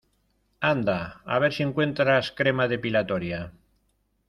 anda, a ver si encuentras crema depilatoria.